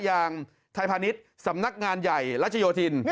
อย่างไทยพาณิชย์สำนักงานใหญ่รัชโยธิน